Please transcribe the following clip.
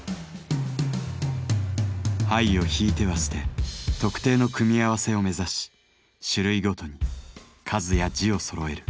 牌をひいては捨て特定の組み合わせを目指し種類ごとに数や字をそろえる。